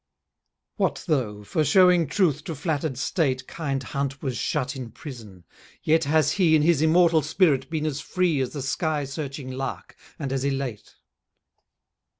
_ What though, for showing truth to flatter'd state Kind Hunt was shut in prison, yet has he, In his immortal spirit, been as free As the sky searching lark, and as elate.